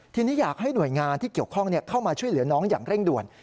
ทีนี้อยากให้หน่วยงานที่เกี่ยวข้องเข้ามาช่วยเหลือน้องอย่างเร่งด่วน